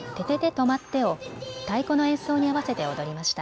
とまって！を太鼓の演奏に合わせて踊りました。